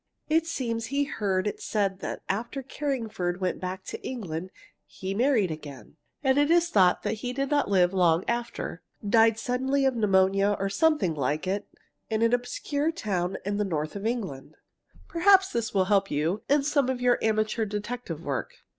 It seems he heard it said that after Carringford went back to England he married again, and it is thought that he did not live very long after, died suddenly of pneumonia, or something like it, in an obscure town in the north of England. Perhaps this will help you some in your amateur detective work.